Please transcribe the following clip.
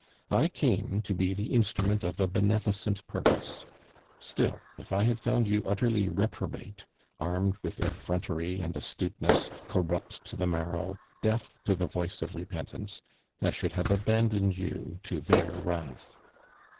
I came to be the instrument of a beneficent purpose; still, if I had found you utterly reprobate, armed with effrontery and astuteness, corrupt to the marrow, deaf to the voice of repentance, I should have abandoned you to their wrath.